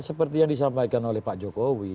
seperti yang disampaikan oleh pak jokowi